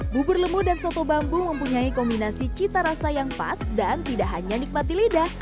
bubur lemu dan soto bambu mempunyai kombinasi cita rasa yang pas dan tidak hanya nikmati lidah